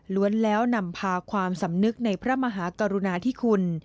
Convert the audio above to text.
แล้วนำพาความสำนึกในพระมหากรุณาธิคุณ